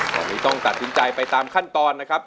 ตอนนี้ต้องตัดสินใจไปตามขั้นตอนนะครับ